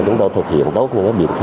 chúng tôi thực hiện